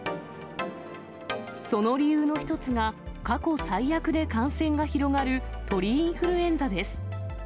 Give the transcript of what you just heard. その理由の一つが、過去最悪で感染が広がる鳥インフルエンザです。